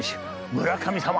村神様